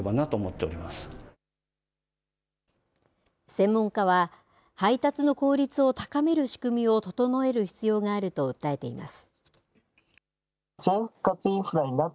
専門家は、配達の効率を高める仕組みを整える必要があると訴えています。